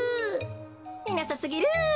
いなさすぎる。